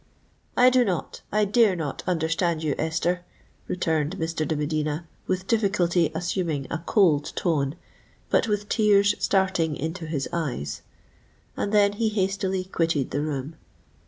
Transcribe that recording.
"—"I do not—I dare not understand you, Esther," returned Mr. de Medina, with difficulty assuming a cold tone, but with tears starting into his eyes:—and then he hastily quitted the room.